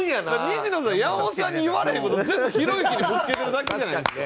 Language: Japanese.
西野さん山本さんに言われへん事全部ひろゆきにぶつけてるだけじゃないですか。